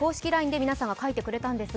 ＬＩＮＥで皆さんが書いてくれました。